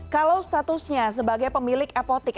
kalau statusnya sebagai pemilik apotik